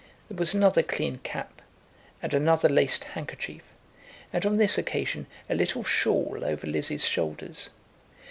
There was another clean cap, and another laced handkerchief, and on this occasion a little shawl over Lizzie's shoulders.